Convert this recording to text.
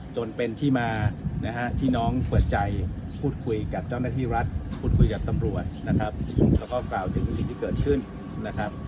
จนเป็นที่มานะฮะที่น้องเปิดใจพูดคุยกับเจ้าหน้าที่รัฐพูดคุยกับตำรวจนะครับแล้วก็กล่าวถึงสิ่งที่เกิดขึ้นนะครับ